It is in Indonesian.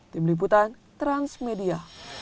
tim liputan transmedia